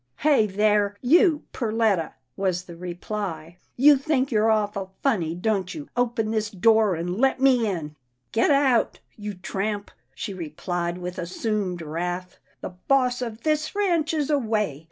"Hey, there! you Perletta," was the reply, " you think you're awful funny, don't you. Open this door, and let me in." " Get out, you tramp," she replied with assumed wrath. " The boss of this ranch is away.